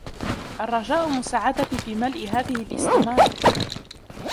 الرجاء مساعدتي في ملء هذه الإستمارة.